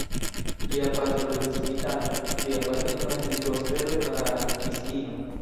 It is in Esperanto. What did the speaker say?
Lia patro ludis gitaron, lia patrino estis gospelo-kantistino.